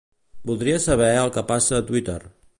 Voldria saber el que passa a Twitter.